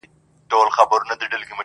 بیا ورته وایه چي ولي زه هر ځل زه یم,